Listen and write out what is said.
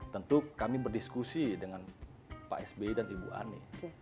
tentu kami berdiskusi dengan pak sby dan ibu ani